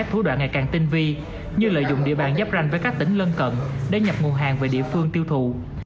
thủ đoạn ngày càng tinh vi như lợi dụng địa bàn giáp ranh với các tỉnh lân cận để nhập nguồn hàng về địa phương tiêu thụ